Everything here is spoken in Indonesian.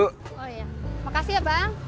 oh iya makasih ya bang